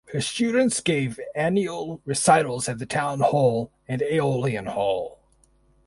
Her students gave annual recitals at Town Hall and Aeolian Hall.